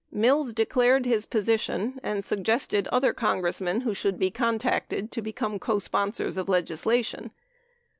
Mills declared his position and suggested other Congressmen who should be contacted to become cosponsors of legislation.